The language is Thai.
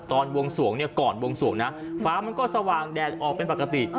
ก่อนบวงสวงฟ้ามันก็สว่างแดดออกเป็นปกติ